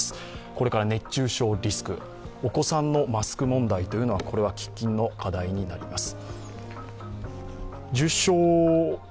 これから熱中症リスク、お子さんのマスク問題は喫緊の課題になります。